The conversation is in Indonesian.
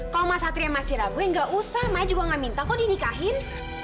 kalau mas satria masih ragu ya gak usah maya juga gak minta kok di nikahin